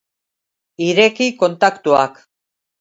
Ireki kontaktuak.